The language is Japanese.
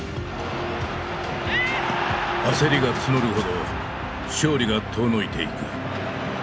焦りが募るほど勝利が遠のいていく。